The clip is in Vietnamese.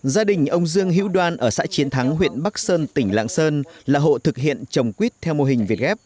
gia đình ông dương hữu đoan ở xã chiến thắng huyện bắc sơn tỉnh lạng sơn là hộ thực hiện trồng quýt theo mô hình việt ghép